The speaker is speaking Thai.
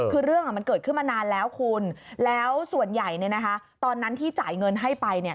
คือเรื่องมันเกิดขึ้นมานานแล้วคุณแล้วส่วนใหญ่ตอนนั้นที่จ่ายเงินให้ไปเนี่ย